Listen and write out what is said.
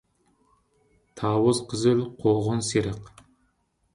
تاۋۇز قىزىل قوغۇن سېرىق